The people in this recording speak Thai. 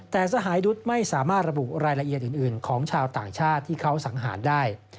แต่สหายดุษไม่สามารถระบุรายละเอียดอื่นของชาวต่างชาติที่เขาสังหารได้